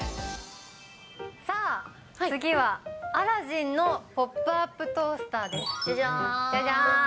さあ、次はアラジンのポップアップトースターです。